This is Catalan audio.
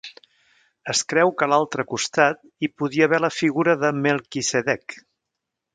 Es creu que a l'altre costat hi podia haver la figura de Melquisedec.